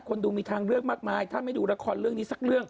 ดูมีทางเลือกมากมายถ้าไม่ดูละครเรื่องนี้สักเรื่อง